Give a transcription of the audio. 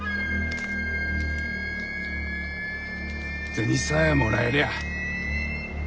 銭さえもらえりゃあ。